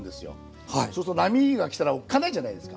そうすると波が来たらおっかないじゃないですか。